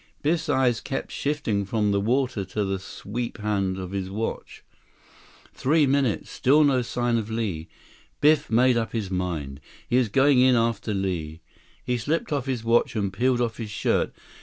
Biff's eyes kept shifting from the water to the sweep hand of his watch. Three minutes! Still no sign of Li. Biff made up his mind. He was going in after Li. He slipped off his watch and peeled off his shirt.